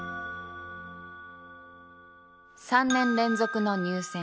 ３年連続の入選